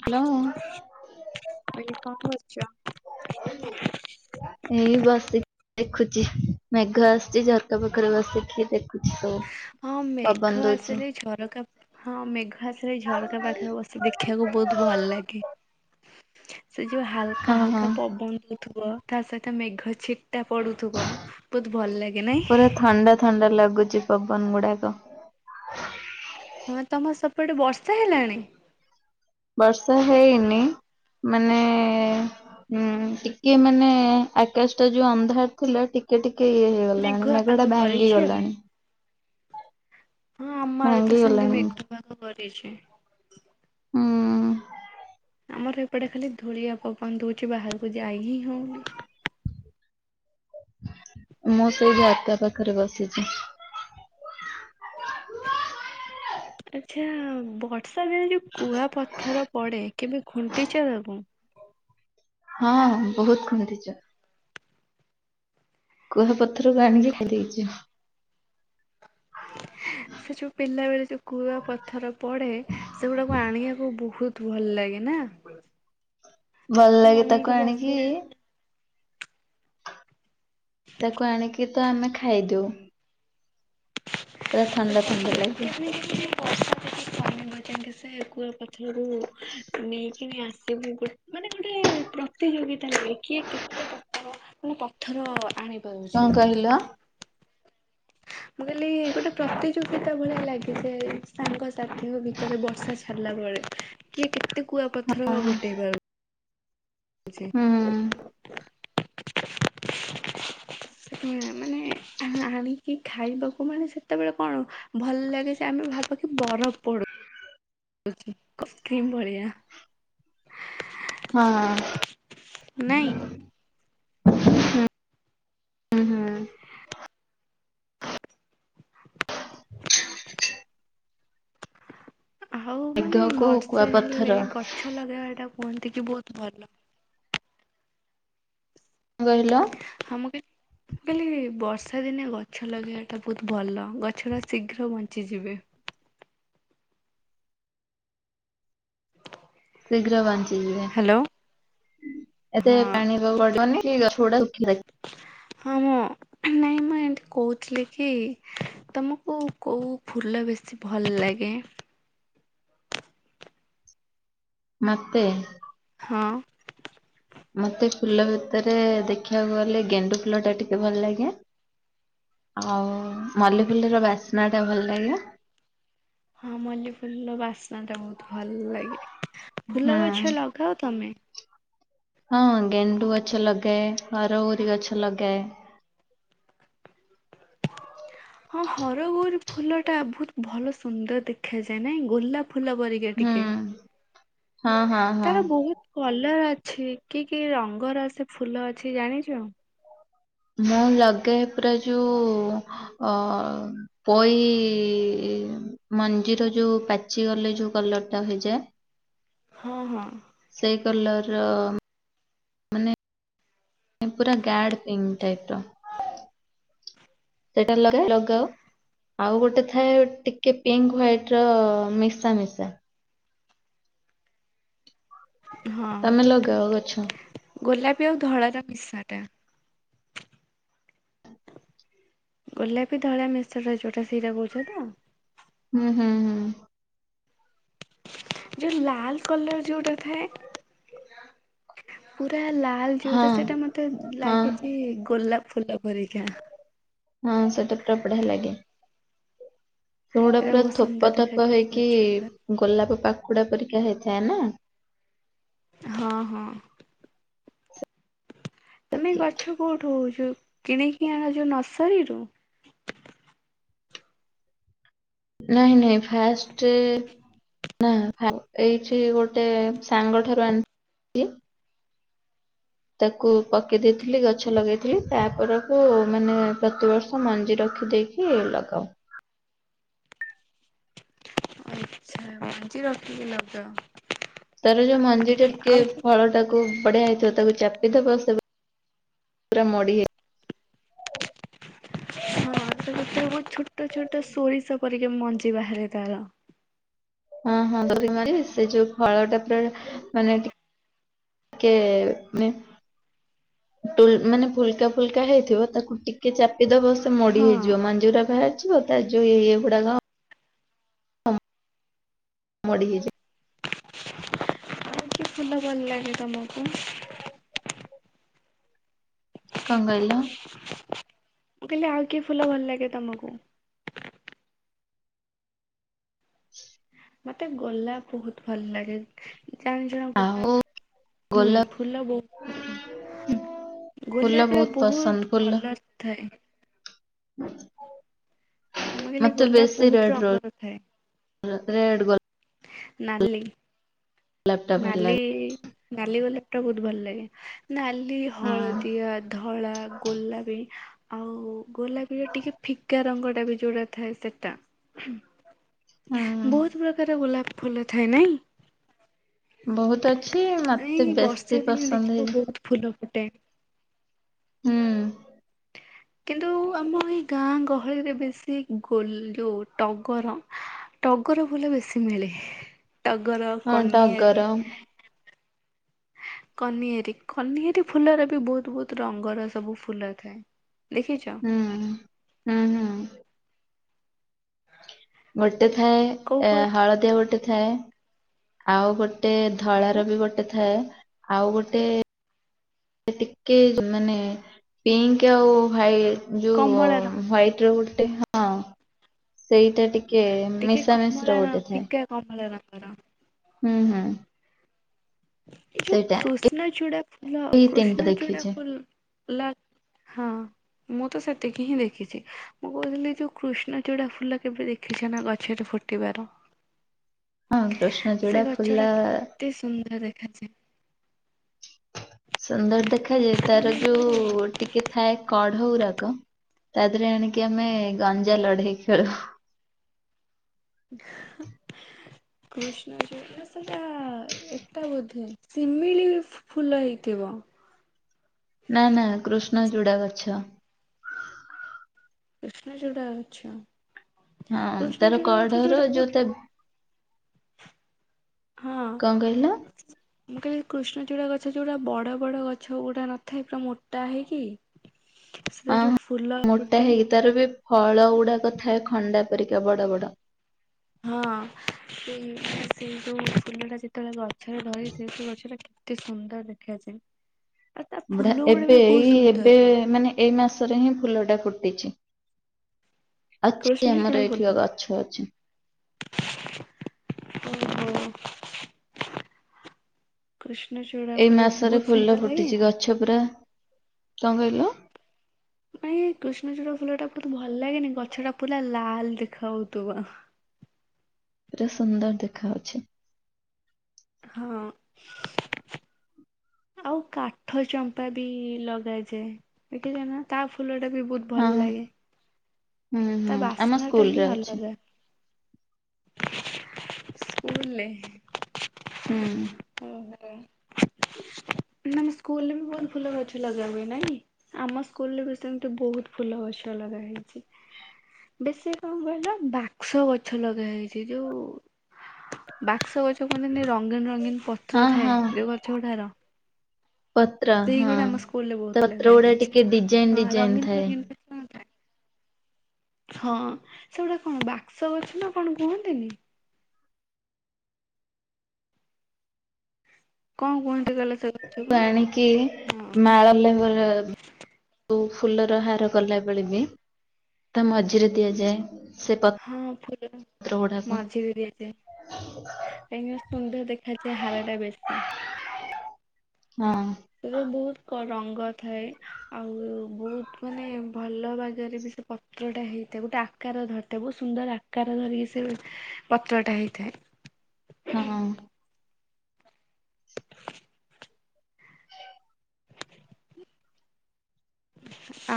Hello. ମୁଁ କଇଲି କଣ କରଚ? ଏଇ ବସି ଦେଖୁଚି ମେଘ ଆସୁଚି ଝରକା ପାଖରେ ବସିକି ଦେଖୁଚି ସବୁ। ହଁ ପବନ ମେଘ ଦଉଛି ଆସିଲେ ଝରକା ହଁ ମେଘ ଆସିରେ ଝରକା ପାଖରେ ବସି ଦେଖିବାକୁ ବହୁତ୍ ଭଲ୍ ଲାଗେ। ସେ ଯୋ ହାଲକା ହଁ ହଁ ହାଲକା ପବନ ଦଉଥିବ ତା ସହିତ ମେଘ ଛିଟା ପଡୁଥିବ ବହୁତ ଭଲ ଲାଗେ ନାଇଁ ପୁରା ଥଣ୍ଡା ଥଣ୍ଡା ଲାଗୁଚି ପବନ ଗୁଡାକ। ହଁ ତମ ସେପଟେ ବର୍ଷା ହେଲାଣି? ବର୍ଷା ହେଇନି ମାନେ ହୁଁ ଟିକେ ମାନେ ଆକାଶଟା ଯୋ ଅନ୍ଧାର ଥିଲା ଟିକେ ଟିକେ ଇଏ ହେଇ ଗଲାଣି ମେଘୁଆ ପାଗ ମେଟା ଭାଙ୍ଗି କରିଛି ଆଉ ଗଲାଣି। ହଁ ଆମ ଆରେ ତ ଭାଙ୍ଗି ସିନ୍ଦୀ ଗଲାଣି ମେଘ ପାଗ କରିଛି। ହୁଁ ଆମର ଏପଟେ ଖାଲି ଧୂଳିଆ ପବନ ଦଉଛି ବାହାରକୁ ଯାଇ ହିଁ ହଉନି। ମୁଁ ସେଇ ଜାତ୍ରା ପାଖରେ ବସିଛି। [unintelligible] ଆଚ୍ଛା ବର୍ଷା ଦିନ ଯୋଉ କୁଆ ପଥର ପଡ଼େ କେବେ ଖୁଣ୍ଟିଛ ତାକୁ। ହଁ ବହୁତ୍ ଖୁଣ୍ଟିଛ। କୁହାପଥରକୁ ଆଣିକି ଖାଇଦେଇଛ। ହଁ ଏ। ସେ ଯେଉ ପିଲାବେଳେ ଯେଉ କୁଆ ପଥର ପଡ଼େ ସେଗୁଡ଼ାକୁ ଆଣିବାକୁ ବହୁତ୍ ତୁ ଭଲ ଲାଗେ ନା। ଭଲ ତ ଲାଗେ ତାକୁ ଅନେଇକି ଆଣିକି ବସିବ ତାକୁ ଆଣିକି ତ ଆମେ ଖାଇଦଉ। ପୁରା ଥଣ୍ଡା ଥଣ୍ଡା ଲାଗେ। କେମିତି ବର୍ଷା ଯଦି କମିବ ଯାଇକି ସେ କୁଆ ପଥରକୁ ନେଇକି ଆସିବୁ ଗୋ ମାନେ ଗୋଟେ ପ୍ର ପ୍ରତିଯୋଗିତାରେ ହେଇକି କେତେ ପଥର ମୁଁ ପଥର ଆଣିବି। କଣ କହିଲ। ମୁଁ କହିଲି ଗୋଟେ ପ୍ରତିଯୋଗିତା ଭଳିଆ ଲାଗେ ଯେ ସାଙ୍ଗସାଥିଙ୍କ ଭିତରେ ବର୍ଷା ଛାଡ଼ିଲା ପରେ। କିଏ କେତେ କୁଆ ପଥର ଗୋଟେଇ ପାରୁ। ଅଛି। ହୁଁ [inaudible] ହୁଁ ମାନେ ଆ ଆଣିକି ଖାଇବାକୁ ମାନେ ସେତେବେଳେ କଣ ଭଲ ଲାଗେ ସେ ଆମେ ଭାବୁଥିଲୁ। ବରଫ୍ ପଡ। କ୍ରିମ୍ ଭଳିଆ। ନାଇଁ। ହଁ। ହୁଁ ହୁଁ। ଆଉ ମାନେ ମେଘକୁ ବର୍ଷା କୁଆପଥର ହେଲେ ଗଛ ଲଗେଇବା ଟା କୁହନ୍ତି କି ବହୁତ୍ ଭଲ। କଣ କହିଲ। ହଁ ମୁ କି କହିଲି ବର୍ଷା ଦିନେ ଗଛ ଲଗେଇବା ଟା ବହୁତ ଭଲ ଗଛ ଟା ଶୀଘ୍ର ବଞ୍ଚିଯିବେ। ଶୀଘ୍ର ବଞ୍ଚିଯିବେ। ହ୍ୟାଲୋ। ଏତେ ହଁ ପାଣିି ଦବନି କି ଗଛ ଗୁଡା ଉଠି ଯାଏ। ହଁ ମୁଁ ନାଇଁ ମୁଁ ଏମତି କହୁଥିଲି କି ତୁମକୁ କୋଉ ଫୁଲ ବେଶୀ ଭଲ ଲାଗେ। ମତେ। ହଁ। ମତେ ଫୁଲ ଭିତରେ ଦେଖିବାକୁ ଗଲେ ଗେଣ୍ଡୁ ଫୁଲ ଟା ଟିକେ ଭଲ ଲାଗେ। ଆଉ ମଲ୍ଲିଫୁଲର ବାସ୍ନା ଟା ଭଲ ଲାଗେ। ହଁ ମଲ୍ଲି ଫୁଲ ବାସ୍ନା ଟା ବହୁତ ଭଲ ଲାଗେ ହୁଁ। ଫୁଲ ଗଛ ଲଗାଅ ତମେ। ହଁ ଗେଣ୍ଡୁ ଗଛ ଲଗାଏ ହରଗୌରି ଗଛ ଲଗାଏ। ହଁ ହର ଗୌରି ଫୁଲ ଟା ବହୁତ୍ ଭଲ ସୁନ୍ଦର ଦେଖାଯାଏ ନାଇଁ ଗୋଲାପ ଫୁଲ ପରି। ଇଏ ଟିକେ ହୁଁ। ହଁ ହଁ ହଁ ତାର ବହୁତ୍ କଲର ଅଛି କି କି ରଙ୍ଗର ସେ ଫୁଲ ଅଛି ଜାଣିଛୁ ଆଉ। ମୁଁ ଲଗେଇ ପୁରା ଯୋଉ ଅ ପୋଇ ମଞ୍ଜିର ଯୋଉ ପାଚି ଗଲେ ଯୋଉ କଲର ଟା ହେଇଯାଏ। [inaudible] ହଁ ହଁ। ସେଇ କଲର। ମାନେ ପୁରା ଗଆଡ ପିଙ୍କ ଟାଇପ ର। ସେଟା ଲଗାଅ। ଆଉ ଗୋଟେ ଥାଏ ଟିକେ ପିଙ୍କ ହ୍ଵାଇଟ ର ମିଶା ମିଶା। ତମେ ଲଗାଅ ଗଛ। ଗୋଲାପି ଆଉ ଧଳାର ମିଶାଟା। ଗୋଲାପୀ ଧଳା ମିଶା ଯୋଉଟା ସିଟା କହୁଛ ତ। ହୁଁ ହୁଁ ହୁଁ। ଯୋଉ ଲାଲ କଲର ଯୋଉଟା ଥାଏ ପୁରା ଲାଲ। ଲାଲ୍ ହଁ ଯୋଉଟା ସେଇଟା ମତେ ହଁ ଲାଗିଛି ଗୋଲାପ ଫୁଲ ପରରିକା। ହଁ, ସେଟା ପୁରା ବଢିଆ ଲାଗେ। ଯୋଉ ଗୁଡ଼ା ସେଇଟା ପୁରା ବହୁତ ସୁନ୍ଦର ଥୋପ ଥୋପ ଦେଖାଯାଏ ସେ ହେଇକି ଗଛ ଗୁଡା ଗୋଲାପ ପାଖଡା ପରିକା ହେଇଥାଏ ନା। ହଁ ହଁ ତମେ। ଗଛ କେଉଁଠୁ ଆଣ ଯେଉଁ କିଣିକି ଆଣ ଯେଉଁ ନର୍ସରୀରୁ। ନହିଁ ନହିଁ ଫାର୍ଷ୍ଟ। ନା ଏଇଠ ଗୋଟେ ସାଙ୍ଗ ଠାରୁ ଆଣିଥିଲି। ତାକୁ ପକେଇ ଦେଇଥିଲି ଗଛ ଲଗେଇଥିଲି ତାପରକୁ ମାନେ ପ୍ରତିବର୍ଷ ମଞ୍ଜି ରଖିଦେଇକ ରଖିକି ଲଗାଉ। ଆଛ ମଞ୍ଜି ରଖିକି ଲାଗଅ। ତାର ଯଉ ମଞ୍ଜି ଟା ଟିକେ ଫଳ ଟାକୁ ଖୁବ୍ ବଢିଆ ହେଇଥିବ ତାକୁ ଚାପିଦବ ସେ ପୁ ପୁରା ମଡିି ହେଇ ହଁ ତା ଭିତରୁ ବହୁତ ଛୋଟ ଛୋଟ ସୋରିଷ ପରିକା ମଞ୍ଜି ବାହାରେ ତାର। ହଁ ହଁ ଦରି ମାରି ସେ ଯଉ ଫଳ ଟା ପୁରା ମାନେ ଟି କେ [inaudible] ଟୁଲ୍ ମାନେ ଫୁଲକା ଫୁଲକା ହେଇଥିବ ତାକୁ ଟିକେ ଚାପି ଦବ ମୋଡି ହଁ ହେଇଯିବ ମଞ୍ଜିଗୁରା ବାହାରି ଯିବ ତା ଯଉ ଇଏ ଗୁଡାକ ମୋଡି ହେଇଚି ଆଉ ଫୁଲ ଭଲ ଲାଗେ ତମକୁ କଣ କହିଲ [inaudible] ମୁଁ କହିଲି ଆଉ କି ଫୁଲ ଭଲ ଲାଗେ ତମକୁ? ମତେ ଗୋଲାପ୍ ବହୁତ ଭଲ ଲାଗେ। ଜଣେ ଜଣେ ଆଉ ଗୋଲାପ୍ ହୁଁ ଗୋଲାପ ଫୁଲ ବହୁତ ପସନ୍ଦ। ଫୁଲ ଗୋଲାପ୍ ର ପସନ୍ଦ ବହୁତ ଫୁଲ କଲର୍ ଥାଏ। [inaudible] ମୁଁ କହିଲି ମତେ ଗୋଲାପ୍ ବହୁତ ରଙ୍ଗର ଥାଏ। ର ରେଡ୍ ଗୋଲା ନାଲି ଗୋଲାପ ଟା ଭଲ ନାଲି ଲାଗେ। ନାଲି ଗୋଲାପଟା ବହୁତ ଭଲ ଲାଗେ ନାଲି, ହୁଁ। ହଳଦିଆ, ଧ ଧଳା, ଗୋଲାପି ଆଉ ଗୋଲାପିର ଟିକେ ଫିକା ରଙ୍ଗ ଟା ବି ଯଉଟା ଥାଏ ସେଟା। ହୁଁ ବହୁତ୍ ପ୍ରକାରର ଗୋଲାପ ଫୁଲ ଥାଏ ନାଇଁ? ବହୁତ ଅଛି ଏଇ ମତେ ବର୍ଷା ବେଶୀ ଦିନେ ପସନ୍ଦ ଦେଖିବ ହେଇ ବହୁତ ଫୁଲ ଫୁଟେ ହୁଁ। କିନ୍ତୁ ଆମ ଏଇ ଗାଁ ଗହଳିରେ ବେଶୀ ଗୋଲ ଯଉ ଟଗର ଟଗର ଫୁଲ ବେଶୀ ମିଳେ ଟଗର, ହଁ କନିଏରି ଟଗର ହୁଁ କନିଏରି କନିଏରି ଫୁଲରେ ବି ବହୁତ ବହୁତ ରଙ୍ଗର ସବୁ ଫୁଲ ଥାଏ। ଦେଖିଚ? ହୁଁ, ହୁଁ, ହୁଁ ଗୋଟେ କୋଉ ଥାଏ କୋଉ ହଳଦିଆ ଗୋଟେ ଥାଏ। ଆଉ ଗୋ ଟେ ଧଳା ଆଉ ର ବି ଗୋଟେ ଥାଏ। ଆଉ ଗୋଟେ ସେ ଟିକେ ମାନେ ପିଙ୍କ୍ ଟିକେ ଆଉ ହ୍ୱାଇଟ ଯୋଉ କମଳା ରଙ୍ଗ ହ୍ଵାଇଟ ର ଗୋଟେ ହଁ, ସେଇଟା ଟିକ କେ ଟିକେ ମିଶାମିଶି କମଳା ର ଗୋଟେ ଥାଏ। ଫିକା କମଳା ରଙ୍ଗର। ହୁଁ, ହୁଁ। ଏ ଯଉ ସେଇଟା କୃଷ୍ଣଚୂଡ଼ା ଫୁଲ, ଏଇ ତିନିଟା କୃଷ୍ଣଚୂଡ଼ା ଦେଖିଛି ଫୁଲ ଲା ହଁ। ମୁଁ ତ ସେତିକି ହିଁ ଦେଖିଚି। ମୁଁ କହୁଥିଲି ଯଉ କୃଷ୍ଣଚୂଡ଼ା ଫୁଲ କେବେ ଦେଖିଛ ନା ଗଛରେ ଫୁଟ୍ ଫୁଟିବାର? ହଁ, କୃଷ୍ଣଚୂଡ଼ା ଫୁଲ ଏତେ ସୁନ୍ଦର ଦେଖାଯାଏ। ସୁନ୍ଦର ଦେଖାଯାଏ, ତାର ମାନେ ଯଉ ଯୋଉ ଟି ଟିକେ ଥାଏ କଢଗୁରାକ। ତା ଦେହରେ ଆଣିକି ଆମେ ଗଞ୍ଜା ଲଢେଇ ଖେଳୁ। [inaudible] କୃଷ୍ଣଚୂଡ଼ା ସେଟା ଏଟା ବୋଧେ। ଶିମିଳି ଫୁଲ ହେଇଥିବ। ନା, ନା, କୃଷ୍ଣଚୂଡ଼ା ଗଛ। କୃଷ୍ଣଚୂଡ଼ା ଗଛ। ହଁ ତାର କୃଷ୍ଣଚୂଡ଼ା ଗଛ କଢର ଯଉଟାକି ବହୁ ଯୋଉ ତା ହଁ କଣ କହିଲ ମୁଁ କହିଲି କୃଷ୍ଣଚୂଡ଼ା ଗଛ ଯୋଉଟା ବଡ ବଡ ଗଛ ଗୋଟା ନଥାଏ, ପୁରା ମୋଟା ହେଇକି? ସେଥିରେ ଯୋଉ ଫୁଲ ଅ ମୋଟା ଫୁଟେ ହେଇକି, ତାର ବି ଫଳ ଗୁଡାକ ଥାଏ ଖଣ୍ଡା ପରିକା ବଡ ବଡ। ହଁ ସେ ସେଇ ଯୋଉ ଫୁଲଟା ଯେତେବେଳେ ଗଛରେ ଧରେ ସେ ଗଛଟା କେତେ ସୁନ୍ଦର ଦେଖାଯାଏ। ଆଉ ତା ବଢିଆ ଫୁଲ ଗୁଡ଼ା ଏବେ ବି ବହୁତ ଏଇ ସୁନ୍ଦର। ଏବେ ମାନେ ଏଇ ମାସରେ ହିଁ ଫୁଲ ଟା ଫୁଟିଛି। ଅଛି କୃଷ୍ଣଚୂଡ଼ା ଆମର ଫୁଲ ଏଇଠି ଗଛ ଅଛି। ଓ ହୋ। କୃଷ୍ଣଚୂଡ଼ ଏଇ ମାସରେ ଫୁଲ ଫୁଟିଚି। ଗଛ ପୁରା। କଣ କହିଲେ? ନାଇ କୃଷ୍ଣଚୂୁଡା ଫୁଲ ଟା ବହୁତ ଭଲ ଲାଗେନି, ଗଛ ଟା ପୁର ଲାଲ ଦେଖା ହାଉଥିବା। ପୁରା ସୁନ୍ଦର ଦେଖା ଯାଉଛି। ହଁ। ଆଉ କାଠ ଚମ୍ପା ବି ଲଗାଯାଏ। ଏଠି ଯା ନା ତା ଫୁଲ ଟା ବି ବହୁତ, ହଁ ଭଲ ହଁ ଲାଗେ। ହୁଁ ତା ହୁଁ ଆମ ବାସ୍ନା ଟା ହିଁ ସ୍କୁଲରେ ଅଛି। ଅଲଗା। ସ୍କୁଲ ନାହିଁ ହୁଁ। ତମ ସ୍କୁଲ ରେ ବି ବହୁତ ଫୁଲ ଗଛ ଲଗା ହୁଏ, ନାଇଁ? ଆମ ସ୍କୁଲରେ ବି ସେମିତି ବହୁତ ଫୁଲ ଗଛ ଲଗା ହେଇଚି। ବେଶୀ କଣ କହିଲ ବାକ୍ସ ଗଛ ଲଗା ହେଇଛି। ଯୋଉ ବାକ୍ସ ଗଛ କୁହନ୍ତିନି, ରଙ୍ଗୀନ ରଙ୍ଗୀନ ହଁ ପତ୍ର ଥାଏ ହଁ ଯୋଉ ଗଛ ଗୁଡାର। ପତ୍ର ହଁ ସେଇଗୁଡା ଆମ ସ୍କୁଲରେ ତା ବହୁତ ପତ୍ର ଲଗା ଗୁଡା ହେଇଛି, ଟିକେ ଡିଜାଇନ ହଁ ଡିଜାଇନ ରଙ୍ଗୀନ୍ ଥାଏ। ରଙ୍ଗୀନ୍ ଫୁଲ ହୁଅନ୍ତା ହଁ ସେଗୁଡ଼ା କଣ ବାକ୍ସ ଅଛି ନା କଣ କୁହନ୍ତିନି? କଣ କୁହନ୍ତି କହିଲ ସେ ଗଛକୁ? ବାଣିକି ହଁ। ମାଳ ଲ ବୁ ଫୁଲର ହାର କଲା ବେଳେ ବି ତା ମଝିରେ ଦିଆଯାଏ। ସେ ହଁ ଫୁଲ ପତ୍ର ଗୁଡାକ ମଝିରେ ଦିଆଯାଏ। କାହିଁକି ନା ସୁନ୍ଦର ଦେଖାଯାଏ ହାରା ଟା ବେଶୀ। ହଁ। ସେଥିରେ ବହୁତ କ ରଙ୍ଗ ଥାଏ। ଆଉ ବହୁତ ମାନେ ଭଲ ଭାଗରେ ବି ସେ ପତ୍ରଟା ହେଇଥାଏ ଗୋଟେ ଆ ଆକାର ଧରିଥାଏ ବହୁତ ସୁନ୍ଦର ଆକାର ଧରିକି ସେ ପତ୍ରଟା ହେଇଥାଏ। ହଁ। [inaudible] [inaudible]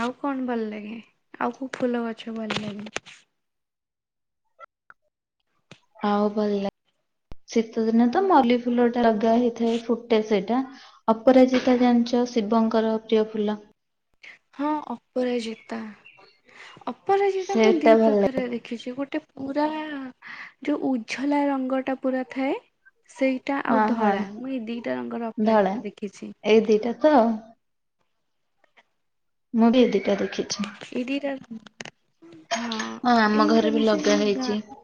ଆଉ କଣ ଭଲ ଲାଗେ? ଆଉ କୋଉ ଫୁଲ ଗଛ ଭଲ ଲାଗେ? ଆଉ ଭଲ ଲାଗେ ଶୀତ ଦିନେ ତ ମଲ୍ଲି ଫୁଲ ଟା ଲଗା ହେଇଥାଏ ଫୁଟେ ସେଇଟା ଅପରାଜିତା ଜାଣିଚ ଶିବଙ୍କର ପ୍ରିୟ ଫୁଲ। ହଁ ଅପରାଜିତା ଅପରାଜିତା ମୁଁ ସେଇଟା ଦି ଭଲ ଲାଗେ ପ୍ରକାର ଦେଖିଛି ଗୋଟେ ପୁରା ଯୋଉ ଉଝଲା ରଙ୍ଗ ଟା ପୁରା ଥାଏ ସେଇଟା ଆଉ ହଁ ହଁ। ଧଳା, ମୁଁ ଏଇ ଦିଟା ରଙ୍ଗର ଧଳା ଅପରାଜିତା ଦେଖିଛି। ଏଇ ଦିଟା ତ ମୁଁ ବି ଏ ଦିଟା ଦେଖିଛି। ଏ ଦିଇଟା ହଁ ଏଇ ଆମ ଗୋଡା ଘରେ ବି ବେଶୀ ଲଗା ଆମ ହେଇଛି ଗାଁ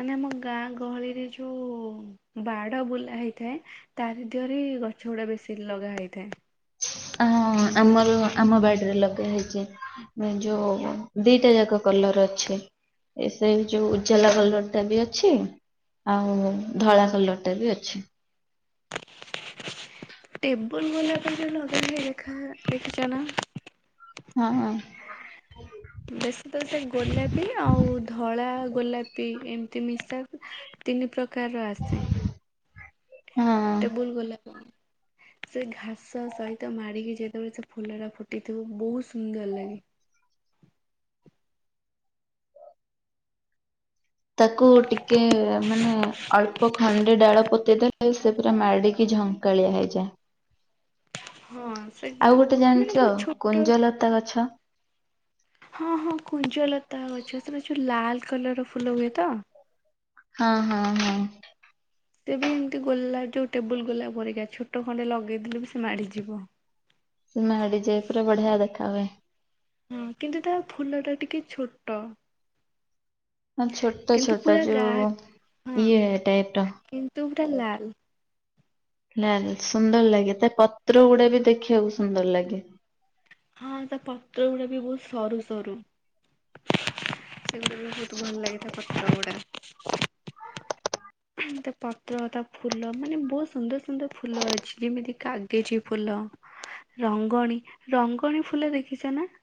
ମାନେ ଆମ ଗାଁ ଗହଳିରେ ଯୋଉ ବାଡ଼ ବୁଲା ହେଇଥାଏ ତାରିଦିହରେ ଗଛ ଗୁଡା ବେଶୀ ଲଗା ହେଇଥାଏ। ହଁ ଆମର ଆମ ବାଡିରେ ଲଗା ହେଇଛି। ହୁଁ ଯୋଉ ଦିଟା ଯାକ କଲର ଅଛି। ଏ ସେଇ ଯୋଉ ଉଜାଲା କଲର ଟା ବି ଅଛି ଆଉ ଧଳା କଲର ଟା ବି ଅଛି। ଟେବୁଲ ଗୋଲାପରେ ଯୋଉ ଲଗାହୁଏ ଦେଖା ଦେଖିଛ ନା? ହଁ। ବେଶୀ ତ ସେଇ ଗୋଲାପୀ ଆଉ ଧଳା ଗୋଲାପି ଏମିତି ମିଶା ତିନି ପ୍ରକାରର ଆସେ। ଟେବୁଲ୍ ଗୋଲାପ। ସେ ଘାସ ସହିତ ମାଡିକି ଯେତେବେଳେ ସେ ଫୁଲଟା ଫୁଟିଥିବ ବହୁତ ସୁନ୍ଦର ଲାଗେ। ତାକୁ ଟିକେ ମାନେ ଅଳ୍ପ ଖଣ୍ଡେ ଡାଳ ପୋତିଦେଲେ ସେ ପୁରା ମାଡିକି ଝ କାଳିଆ ହେଇଯାଏ। ହଁ ସେ ଆଉ ଗୋଟେ ଜାଣିଛ ମାନେ ବହୁତ ଛୋଟ କୁଞ୍ଜଲତା ଗଛ ହଁ ହଁ କୁଞ୍ଜଲତା ଗଛ ସେଟା ଯୋଉ ଲାଲ କଲରର ଫୁଲ ହୁଏ ତ? ହଁ ହଁ ହଁ। ସେ ବି ଏମିତି ଗୋଲା ଯୋଉ ଟେବୁଲ୍ ଗୋଲାପ ପରିକା ଛୋଟ ଖଣ୍ଡେ ଲଗେଇଦେଲେ ବି ସେ ମାଡିଯିବ। ସେ ମାଡି ଯାଏ ପୁରା ବଢିଆ ଦେଖା ହୁଏ। ହଁ କିନ୍ତୁ ତା ଫୁଲ ଟା ଟିକେ ଛୋଟ। ହଁ ଛୋଟ କିନ୍ତୁ ଛୋଟ ପୁରା ଗା ଯୋଉ ଇଏ ଟାଇପର ତୁ ପୁରା ଲାଲ। ନା ସୁନ୍ଦର ଲାଗେ ତା ପତ୍ର ଗୁଡା ବି ଦେଖିବାକୁ ସୁନ୍ଦର ଲାଗେ। ହଁ ତା ପତ୍ର ଗୁଡା ବି ବହୁତ୍ ସରୁ ସରୁ। ସେଗୁଡା ବି ବହୁତ ଭଲ ଲାଗେ ତା ପତ୍ର ଗୁଡ଼ା। ତା ପତ୍ର ତା ଫୁଲ ମାନେ ବହୁତ୍ ସୁନ୍ଦର ସୁନ୍ଦର ଫୁଲ ଅଛି ଯେମିତି କାଗେଜି ଫୁଲ। ରଙ୍ଗଣୀ ରଙ୍ଗଣୀ ଫୁଲ ଦେଖିଛ ନା।